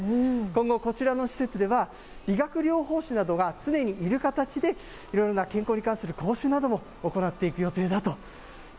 今後、こちらの施設では理学療法士などが常にいる形で、いろいろな健康に関する講習なども行っていく予定です。